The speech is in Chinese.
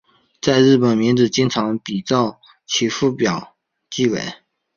在日本名字经常比照其父表记为。